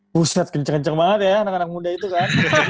pusat kenceng kenceng banget ya anak anak muda itu kan